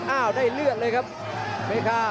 ดาบดำเล่นงานบนเวลาตัวด้วยหันขวา